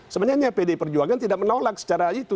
sebenarnya pdi perjuangan tidak menolak secara itu